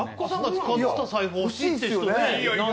使ってた財布欲しいって人ね。